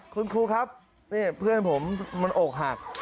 คุณครูครับนี่เพื่อนผมมันอกหัก